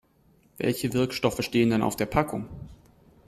Welche Wirkstoffe stehen denn auf der Packung?